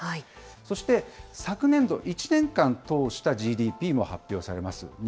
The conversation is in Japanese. そして、昨年度１年間を通したＧＤＰも発表されます。